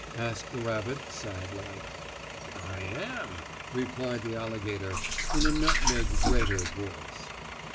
asked the rabbit, sad like. "I am," replied the alligator, in a nutmeg grater voice.